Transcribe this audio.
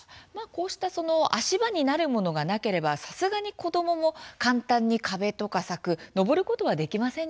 こうした足場になるものがなければさすがに子どもも簡単に壁とか柵登ることはできませんからね。